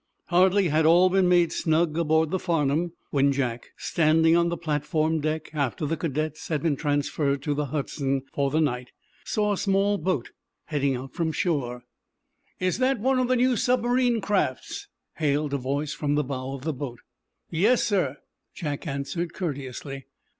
Hardly had all been made snug aboard the "Farnum" when Jack, standing on the platform deck after the cadets had been transferred to the "Hudson" for the night, saw a small boat heading out from shore. "Is that one of the new submarine crafts?" hailed a voice from the bow of the boat. "Yes, sir," Jack answered, courteously.